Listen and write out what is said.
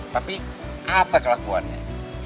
tapi apa kelakuannya